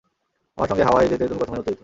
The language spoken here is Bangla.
আমার সঙ্গে হাওয়াই যেতে তুমি কতখানি উত্তেজিত?